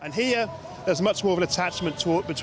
di sini ada lebih banyak pertunjukan